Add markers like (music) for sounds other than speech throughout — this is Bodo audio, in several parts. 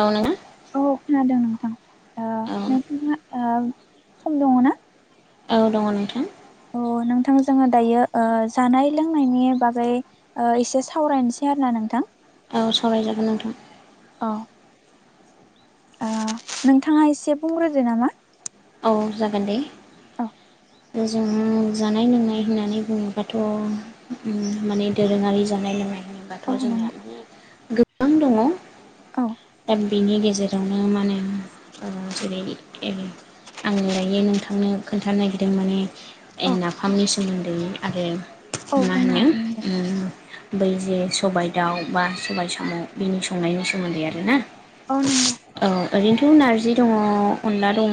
औ ना। औ खोनादों नोंथां ओ नोंथाङा ओ सम दङ ना? औ दङ नोंथां। अ नोंथां जोङो दायो ओ जानाय लोंनायनि बागै ओ एसे सावरायनोसै आरो ना नोंथां। औ सावरायजागोन नोंथां। औ ओ नोंथाङा एसे बुंग्रोदो नामा। औ जागोन दे। औ जों जानाय लोंनाय होननानै बुङोबाथ' ओ माने दोरोङारि जानाय लोंनाय होनोबाथ' औ नंगौ जोंहा माने गोबां दङ। औ। दा बिनि गेजेरावनो माने ओ जेरै एरै आङो दायो नोंथांनो खोन्थानो नागिरदों माने ओ औ नाफामनि सोमोन्दै आरो औ मा बुंनो होनो हागोन नोंथां ओ बै जे सबाइ दाउ बा सबाइ साम' बिनि संनायनि सोमोन्दै आरोना। औ नंगौ। औ ओरैनोथ' नारजि दङ अनला दङ।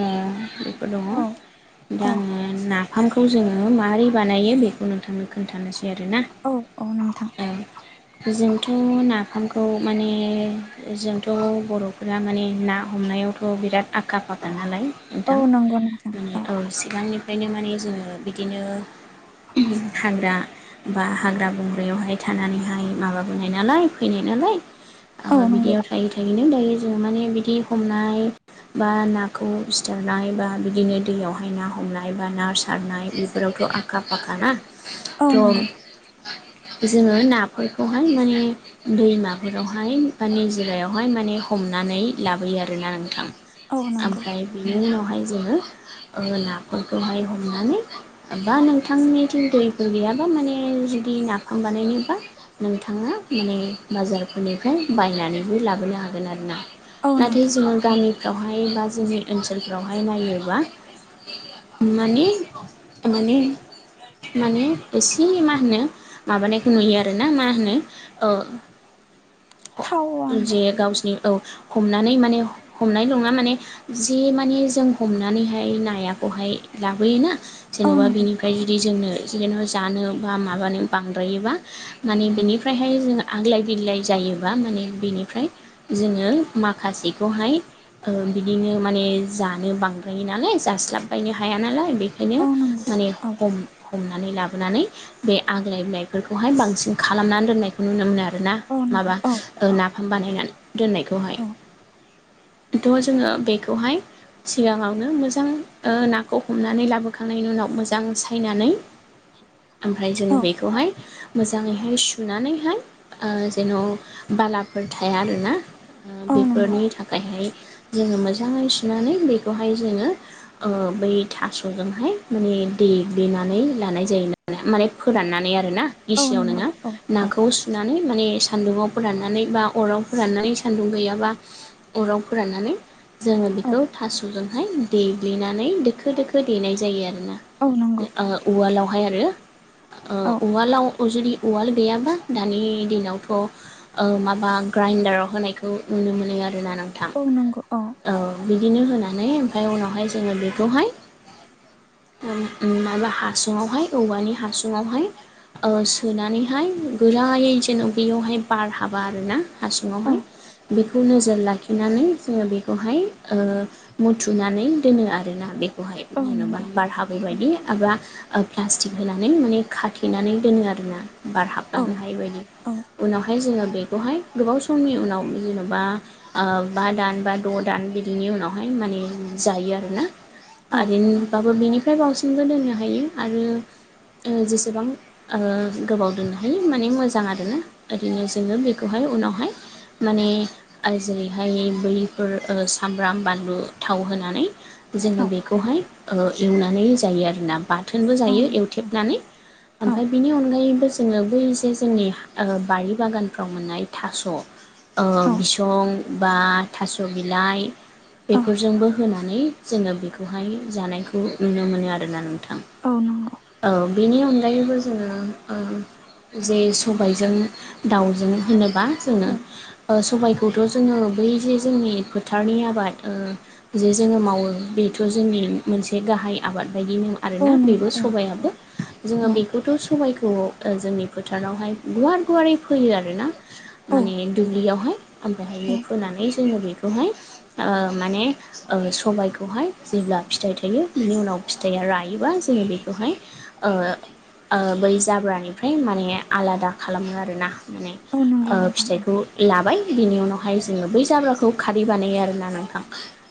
फोर दङ औ दा औ आङो ना फामखौ जोङो माबारोरै बानायो बेखौ नोंथांनो खोन्थानोसै आरोना। औ औ नोंथां। ओं जोंथ' नाफामखौ माने ओ जोंथ' बर'फोरा माने ना हमनायावथ' बिराद आखा फाखा नालाय। औ नोंथां नंगौ नोंथां माने औ सिगांनिफ्रायनो माने जोङो बिदिनो ओ हाग्रा बा हाग्रा बंग्रायावहाय थानानैहाय माबाबोनाय नालाय फैनाय नालाय औ ओ नंगौ थायै थायैनो दायो जोङो माने बिदि हमनाय बा नाखौ सिथारनाय बा बिदिनो दैयावहाय ना हमनाय बा ना सारनाय बेफोरावथ' आ खा फाखााना'म औ नंगौ थ जोङो नाफोरखौहाय माने दैमाफोरावहाय फानिजिरायावहाय माने हमनानै लाबोयो आरोना नोंथां औ नंगौ ओमफ्राय बिनि उनावहाय जोङो ओ नाफोरखौहाय हमनानै बा नोंथांनिथिं दैफोर गैयाब्ला माने जुदि नाफाम बानायनोबा नोंथाङा माने बाजारफोरनिफ्राय बायनानैबो लाबोनो हागोन आरोना औ नाथाय नोंथां जोङो गामिफ्रावहाय बा जोंनि ओनसोलफ्रावहाय नायोबा माने माने माने एसे मा होनो माबानायखौ नुयो आरोना मा होनो ओ थावानो जे गावस्नि औ हमनानै माने हमनाय नङा माने जि माने जों हमनानैहाय नायाखौहाय लाबोयोना औ जेन'बा नोंथां बिनिफा (unintelligible) जुदि जोंनो जेना जानो बा माबानो बांद्रायोबा माने बिनिफ्रायहाय जो आग्लाय बिलाय जायोबा माने बेनिफ्राय जोङो माखासेखौहाय ओ बिदिनो माने जानो बांद्रायो नालाय जास्लाबबायनो हाया नालाय बेखायनो औ नंगौ माने औ हम हमनानै लाब सुनानै बे आग्लाय बिलाइफोरखौहाय बांसिन खालामनानै दोननायखौ नुनो मोनो आरोना औ नंगौ माबा औ नाफाम बानायनानै दोननायखौहाय औ थ' जोङो बेखौहाय सिगाङावनो मोजां ओ नाखौ हमनानै लाबोखांनायनि उनाव मोजां सायनानै (inaudible) ओमफ्राय जों औ बेखौहाय मोजाङैहाय सुनानैहाय आ जेन' बालाफोर थाया आरोना औ नंगौ बेफोरनि थाखायहाय जोङो मोजाङै सुनानै बेखौहाय जोङो ओ बै थास'जोंहाय माने देग्लिनानै लानाय जायोना माने फोराननानै आरो ना औ गिसियाव नंगौ नोङो औ नाखौ सुनानै माने सान्दुंआव फोराननानै बा अराव फोराननानै सान्दुं गैयाबा अराव फोराननानै जोङो औ बेखौ थास'जोंहाय देग्लिनानै दोखो दोखो देनाय जायो आरोना औ नोंगौ ओ उवालावहाय आरो ओ औ उवालाव जुदि उवाल गैयाबा दानि दिनावथ' ओ माबा ग्राइन्डाराव होनायखौ नुनो मोनो आर ना नोंथां औ नोंग' अ औ बिदिनो होनानै ओमफाय उनावहाय जोङो बेखौहाय माबा हासुङावहाय औवानि हासुङावहाय ओ सोनानैहाय गोरायै जेन' बेयावहाय बार हाबा आर ना औ हासुङावहाय बेखौ नोजोर लाखिनानै जोङो बेखौहाय ओ मुथुनानै दोनो आरोना बेखौहाय औ जेन'बा नंगौ बारहाब औ बेबायदि एबा प्लास्टिक होनानै माने खाथेनानै दोनो आरोना औ बारहाबलांनो हायि बायदि औ उनावहाय जोङो बेखौहाय गोबाव समनि उनाव जेन'बा आ बा दान बा द' दान बिदिनि उनावहाय माने जायो आरोना औ आरिनबाबो बिनिफ्राय बावसिनबो दोननो हायो आरो जेसेबां ओ गोबाव दोननो हायो माने मोजां आरोना ओरैनो जोङो बेखौहाय उनावहाय माने आर जेरैहाय बैफोर ओ सामब्राम बानलु थाव होनानै औ जोङो बेखौहाय ओ एवनानै जायो आरोना बाथोनबो औ जायो नंगौ एवथेबनानै औ ओमफाय बिनि अनगायैबो जोङो बै जे जोंनि आ बारि बागानफ्राव मोननाय थास' ओ बिसं बा थास' बिलाइ बेफोरजोंबो होनानै जोङो बेखौहाय जानायखौ नुनो मोनो आरोना नोंथां औ नंगौ औ बेनि अनगायैबो जोङो उम जे सबायजों दाउजों होनोबा औ जोङो ओ सबायखौथ' जोङो बै जे जोंनि फोथारनि आबाद ओ जे जोङो मावो बेथ' जोंनि मोनसे गाहाय आबाद बायदि नङा आरोना बेबो सबायाबो जोङो बे गथ' सबायखौ जोंनि फोथारावहाय गुवार गुवारै फोयो आरोना औ माने दुब्लियावहाय ओमफायहाय फोनानै जोङो बेखौहाय आ माने ओ सबायखौहाय जेब्ला फिथाइ थायो बिनि उनाव फिथाइया रायोबा जोङो बेखौहाय ओ ओ बै जाब्रानिफ्राय माने आलादा खा खालामो आरोना माने औ नंगौ ओ नोंथां फिथाइखौ लाबाय बिनि उनावहाय जोङो बै जाब्राखौ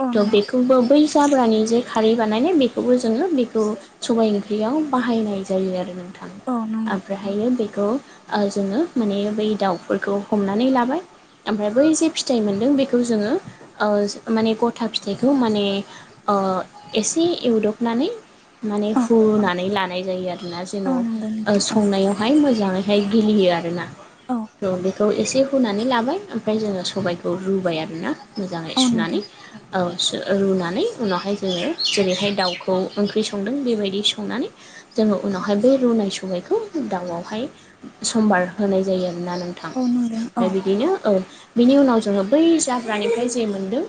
औ नंगौ बो बै जाब्रानि जे खारै सबाइ ओंख्रियाव बाहायनाय जायो आरो नोंथां औ नंगौ ओमफ्रायहायो बेखौ ओ जोङो माने बै दाउफोरखौ हमनानै लाबाय ओमफ्राय बै जे फिथाइ मोनदों बेखौ जोङो ओ माने गथा फिथाइखौ माने ओ एसे एवदबनानै माने औ हुद औ नंगौ नोंथां औ हाय गिलियो आरो ना औ थ' बेखौ एसे हुनानै लाबाय ओम ओमफ्राय जोङो सबायखौ रुबाय आरोना मोजाङै औ नोंथां सुनानै औ सु रुनानै उनावहाय जोङो जेरैहाय दाउखौ ओंख्रि संदों बेबायदि संनानै जोङो औ उनावहाय बे रुनाय सबायखौ दाउआवहाय सम्बार होनाय जायो आरोना नों थां औ नंगौ औ ओमफ्राय बिदिनो औ बिनि उनाव जोङो बै जाब्रानिफ्राय जे मोनदों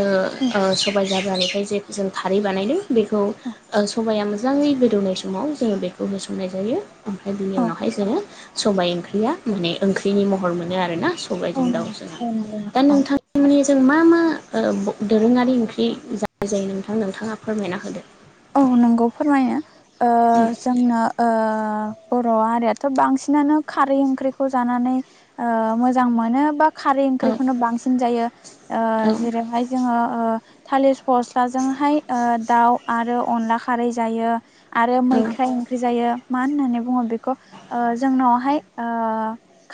ओ औ ओ सबाइ जाब्रानिफ्राय जे जों खारै बानायदों बेखौ ओ सबाया मोजां मोजाङै गोदौनाय समाव जोङो बेखौ होसननाय जायो ओमफ्राय बिनि औ उनावहाय जोङो सबाइ ओंख्रिया माने ओंख्रिनि महर मोनो आरोना औ सबाइजों नंगौ दाउजों औ नंगौ दा औ नोंथां मोननिजों मा मा ओ दोरोङारि ओंख्रि जा जायो नोंथां नोंथाङा फोरमायना होदो औ नोंगौ फोरमायो ओ जोंनो ओ बर' हारियाथ' बांसिनानो खारै ओंख्रिखौ जानानै ओ मोजां मोनो बा खारै औ ओंख्रिखौनो बांसिन जायो ओ औ जेरैहाय जोङो ओ थालिर फस्लाजोंहाय ओ दाउ आरो अनला खारै जायो आरो औ मैख्राइ ओं ख्रि जायो मा होननानै बुङो बेखौ ओ जोंनावहाय ओ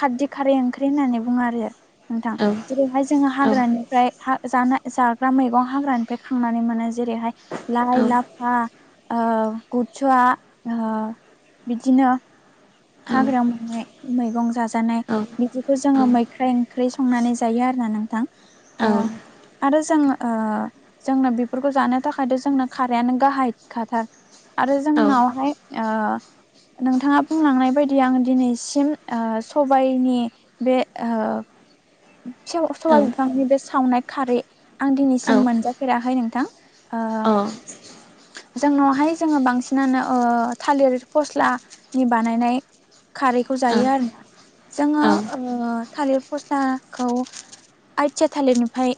खारदि खारै ओंख्रि होननानै बुङो आरो नोंथां औ जेरैहाय जोङो औ हाग्रानिफ्राय हा जानाय जाग्रा मैगं हाग्रानिफ्राय खांनानै मोनो जेरैहाय औ लाइ लाफा ओ बुथुवा ओ बिदिनो हाग्रा मोननाय मैगं जाजानाय औ बिदिखौ जोङो मैख्राइ ओंख्रि संनानै जायो आरोना नोंथां ओ औ जों ओ जोंनो बेफोरखौ जानो थाखायथ' जोंनो खारैयानो गाहायखाथार आरो जोंनावहाय ओ नोंथाङा बुंलांनाय बेबायदि आं दिनैसिम ओ सबायनि बे ओ सेव औ सबाइ बिफांनि बे सावनाय खारै आं औ दिनैसिम मोनजाफेराखै नोंथां ओ जोंनावहाय जोङो बांसिनानो ओ थालिर फस्लानि बानायनाय खारैखौ जायो आरोना जोङो ओ थालिर फस्ला खौ आइथिया थालिरनिफ्राय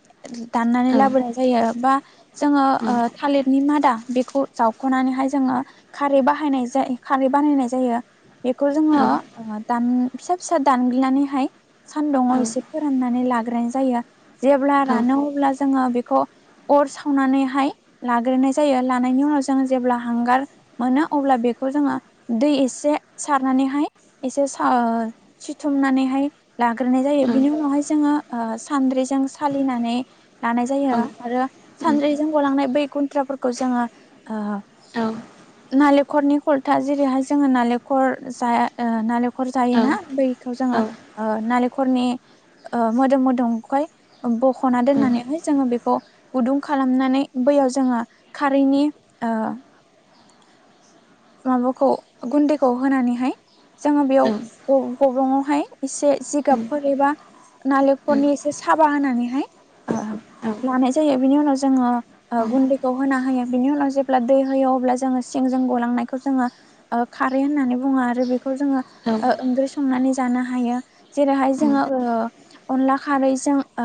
दाननानै लाबोनाय जायो बा जोङो ओ थालिरनि मादा बेखौ जावख'नानैहाय जोङो खारै बाहायनाय जायो खारै बानायनाय जायो बेखौ जोङो दान फिसा फिसा दानग्लिनानैहाय सानदुुंआव एसे फोराननानै लाग्रोनाय जायो। जेब्ला रानो अब्ला जोङो बेखौ अर सावनानैहाय लाग्रोनाय जायो लानायनि उनाव जों जेब्ला हांगार मोनो अब्ला बेखौ जोङो दै एसे सारनानैहाय एसे सा ओ सिथुमनानैहाय लाग्रोनाय जायो। बिनि उनावहाय जोङो ओ सान्द्रिजों सालिनानै लानाय जायो आरो सानद्रिजों गलांनाय बै गुन्द्राफोरखौ जोङो ओ नालेंखरनि खल्था जेरैहाय जोङो नालेंखर जाया ओ नालेंखर जायोना बै खौ जोङो ओ नालेंखरनि ओ मोदोम मोदोमखाय बख'ना दोननानैहाय जोङो बेखौ गुदुं खालामनानै बैयाव जोङो खारैनि ओ माबाखौ गुन्दैखौ होनानैहाय जोङो बेयाव ग-गब्रंआवहाय एसे जिगाबफोर एबा नालेंखरनि एसे साबा होनानैहाय ओ लानाय जायो बिनि उनाव जोङो ओ गुन्दैखौ होना होयो बिनि उनाव जेब्ला दै होयो अब्ला जोङो सिंजों गलांनाय खौ जोङो खारै होननानै बुङो आरो बेखौ जोङो ओ ओंख्रि संनानै जानो हायो जेरैहाय जोङो ओ अनला खारैजों ओ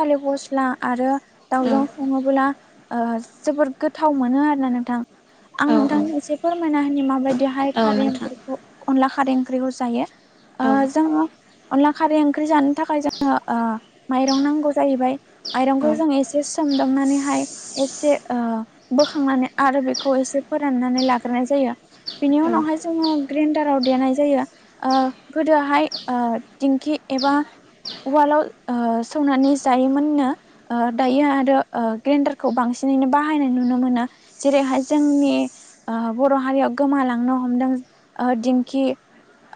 थालिर फस्ला आरो दाउजों सङोब्ला ओ जोबोर गोथाव मोनो आरो नोंथां। आं नोंथांनि एसे फोरमायना होनि माबायदिहाय खारै ओंख्रिखौ अनला खारै ओंख्रिखौ जायो। ओ जोङो अनला खारै ओंख्रि जानो थाखाय जोङो ओ माइरं नांगौ जाहैबाय। माइरंखौ जों एसे सोमदाबनानैहाय एसे ओ बोखांनानै आरो बेखौ एसे फोराननानै लाग्रोनाय जायो। बिनि उनावहाय जोङो ग्रेन्डाराव देनाय जायो। ओ गोदोआहाय ओ दिंखि एबा उवालाव ओ सौनानै जायोमोननो। ओ दायो आरो ओ ग्रेन्डारखौ बांसिनैनो बाहायनाय नुनो मोनो। जेरैहाय जोंनि ओ बर' हारियाव गोमालांनो हमदों ओ दिंखि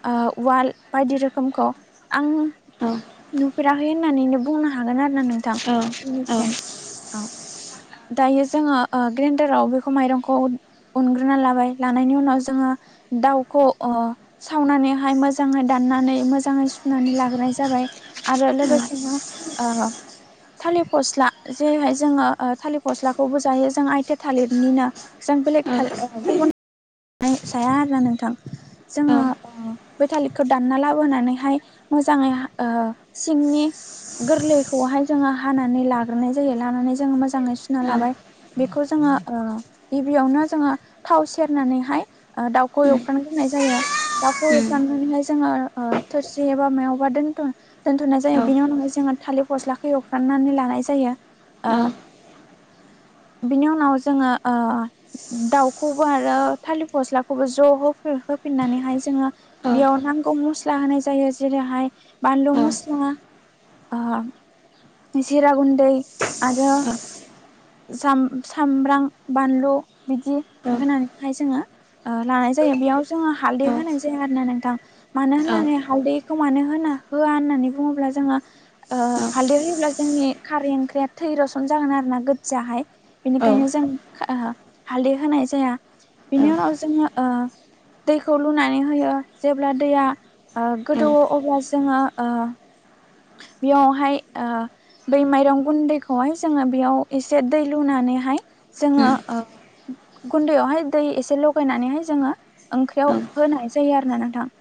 ओ उवाल बायदि रोखोमखौ। आं नुफेराखै होननानैनो बुंनो हागोन आरो नोंथां दिनिसिम। औ दायो जोङो ओ ग्रेन्डाराव बेखौ माइरंखौ अनग्रोना लाबाय लानायनि उनाव जोङो दाउखौ ओ सावनानैहाय मोजाङै दाननानै मोजाङै सुनानै लाग्रोनाय जाबाय। आरो लोगोसेनो ओ थालिर फस्ला जेरैहाय जोङो थालिर फस्लाखौबो जायो जों आइथा थालिरनिनो जों बेलेग थालिर ओ गुबुन जाया आरोना नोंथां। जोङो ओ बे थालिरखौ दानना लाबोनानैहाय मोजाङै हा ओ सिंनि गोरलैखौहाय जोङो हानानै लाग्रोनाय जायो लानानै जोङो मोजाङै सुना लाबाय। बेखौ जोङो ओ गिबियावनो जोङो थाव सेरनानैहाय दाउखौ एवफ्रानग्रोनाय जायो। दाउखौ एवखांनानैहाय जोङो थोरसि एबा मायावबा दोनथ' दोनथ'नाय जायो बिनि उनावहाय जोङो थालिर फस्लाखौ एवफ्राननानै लानाय जायो। ओ बिनि उनाव जोङो ओ दाउखौबो आरो थालिर फस्लाखौबो ज' हो होफिननानैहाय जोङो बेयाव नांगौ मस- मस्ला होनाय जायो जेरैहाय बानलु मस्ला ओ जिरा गुन्दै आरो साम-सामब्राम बानलु बिदि होनानै हाय जोङो ओ लानाय जायो बेयाव जोङो हालदै होनाय जाया आरोना नोंथां। मानो होननानै हालदैखौ मानो होना होआ होननानै बुङोब्ला जोङो ओ हालदि होयोब्ला जोंनि खारै ओंख्रिया थै रसन जागोन आरोना गो जाहाय बेनिखायनो जों ओ हालदै होनाय जाया बिनि उनाव जोङो ओ दैखौ लुनानै होयो जेब्ला दैया गोदौओ अब्ला जोङो ओ बेयावहाय ओ बै माइरं गुन्दैखौहाय जोङो बेयाव एसे दै लुनानैहाय जोङो ओ गुन्दैयावहाय दै एसे लगायनानैहाय जोङो ओंख्रियाव होनाय जायो आरो ना नोंथां।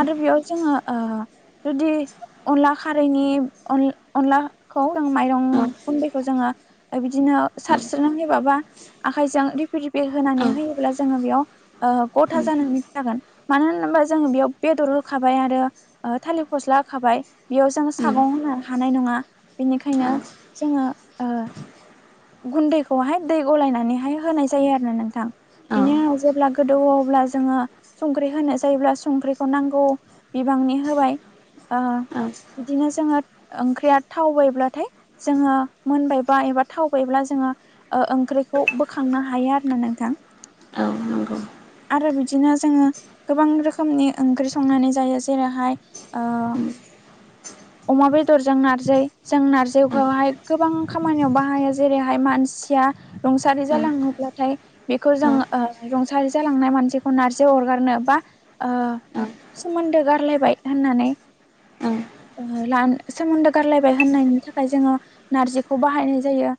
आरो बेयाव जोङो ओ जुदि अनला खारैनि अन-अनलाखौ माइरं गुन्दैखौ जोङो बिदिनो सारस्रोनानै होयोबाबा आखायजों रिपि-रिपि होनानै होयोब्ला जोङो बेयाव ओ गथा जानानै जागोन मानो होनोबा जोङो बेयाव बेदर होखाबाय आरो ओ थालिर फस्ला होखाबाय बेयाव जोङो सागं होनो हानाय नङा बेनिखायनो जोङो ओ गुन्दैखौहाय दै गलायनानैहाय होनाय जायो आरोना नोंथां बिनि उनाव जेब्ला गो गोदौब्ला जोङो संख्रि होनो जायोब्ला संख्रिखौ नांगौ बिबांनि होबाय ओ (inaudible) बिदिनो जोङो ओंख्रिया थावबायब्लाथाय जोङो मोनबायबा एबा थावबायब्ला जोङो ओ ओंख्रिखौ बोखांनो हायो आरोना नोंथां। औ नोंगौ। आरो बिदिनो जोङो गोबां रोखोमनि ओंख्रि संनानै जायो जेरैहाय ओ अमा बेदरजों नारजि जों नारजिखौहाय गोबां खामानियाव बाहायो जेरैहाय मानसिया रुंसारि औ जालाङोब्लाथाय बेखौ जों ओ औ रुंसारि जालांनाय मानसिखौ नारजि अरगारनो बा ओ औ सोमोन्दो गारलायबाय होननानै ओ ओ ला सोमोन्दो गारलायबाय होननायनि थाखाय जोङो नारजिखौ बाहायनाय जायो।